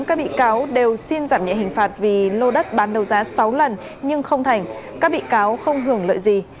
các bị cáo đều xin giảm nhẹ hình phạt vì lô đất bán đầu giá sáu lần nhưng không thành các bị cáo không hưởng lợi gì